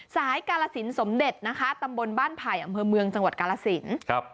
สายกรสินสมเด็จนะคะตำบลบ้านภายอำเวอร์เมืองจังหวัดกรสิน